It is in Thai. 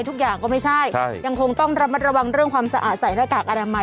ทุกอย่างก็ไม่ใช่ยังคงต้องระมัดระวังเรื่องความสะอาดใส่หน้ากากอนามัย